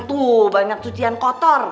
tuh banyak cucian kotor